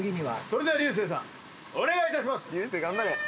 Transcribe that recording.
それでは流星さんお願いいたします！